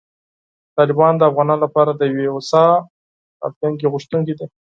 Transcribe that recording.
طالبان د افغانانو لپاره د یوې هوسا راتلونکې غوښتونکي دي.